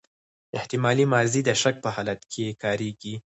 احتمالي ماضي د شک په حالت کښي کاریږي.